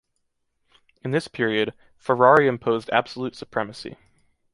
In this period, Ferrari imposed absolute supremacy.